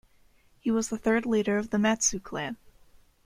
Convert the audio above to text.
He was the third leader of the Matsue clan.